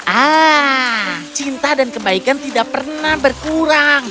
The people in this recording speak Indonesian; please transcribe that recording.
ah cinta dan kebaikan tidak pernah berkurang